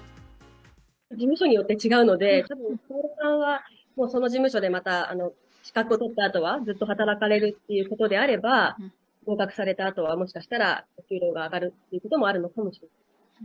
事務所によって違うので、たぶん小室さんはその事務所でまた資格を取ったあとは、ずっと働かれるっていうことであれば、合格されたあとは、もしかしたら、お給料が上がるということもあるのかもしれません。